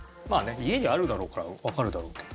家にあるだろうからわかるだろうけど。